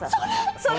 それ！